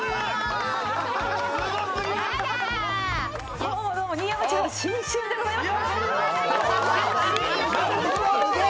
どうもどうも、新山千春、新春でございます。